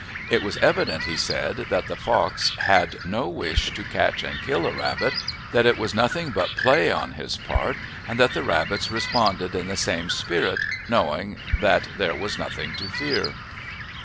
It was evident, he said, that the fox had no wish to catch and kill a rabbit, that it was nothing but play on his part, and that the rabbits responded in the same spirit, knowing that there was nothing to fear.